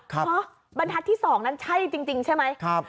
ครับฮอบรรทัศน์ที่สองนั้นใช่จริงจริงใช่มั้ยครับ